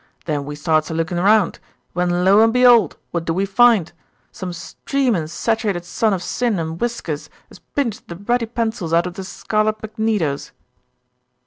Then we starts a lookin' round, when lo and be'old! what do we find? Some streamin', saturated son of sin an' whiskers 'as pinched the ruddy pencils out of the scarlet magnetos."